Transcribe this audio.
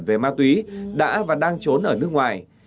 về ma túy đã và đang trốn ở nước ngoài